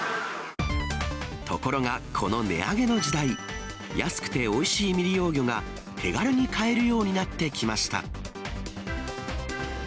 ところがこの値上げの時代、安くておいしい未利用魚が、手軽に買えるようになってきました。